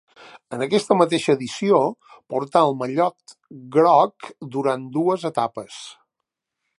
En aquesta mateixa edició portà el mallot groc durant dues etapes.